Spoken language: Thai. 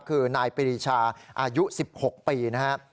คือนายปรีชาอายุ๑๖ปีนะครับ